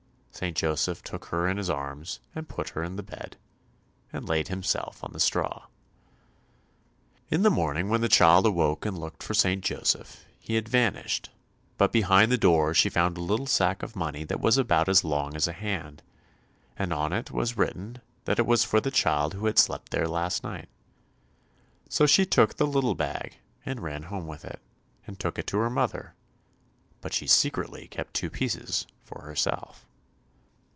St. Joseph took her in his arms and put her in the bed, and laid himself on the straw. In the morning when the child awoke and looked for St. Joseph, he had vanished, but behind the door she found a little sack of money that was about as long as a hand, and on it was written that it was for the child who had slept there last night. So she took the little bag and ran home with it, and took it to her mother, but she secretly kept two pieces for herself.